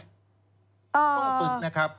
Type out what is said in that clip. ต้องฝึกนะครับ